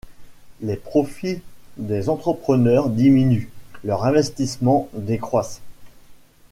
Les profits des entrepreneurs diminuent, leurs investissements décroissent.